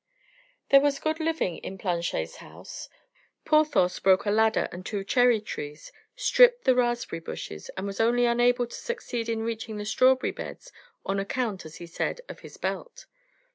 There was good living in Planchet's house. Porthos broke a ladder and two cherry trees, stripped the raspberry bushes, and was only unable to succeed in reaching the strawberry beds on account, as he said, of his belt.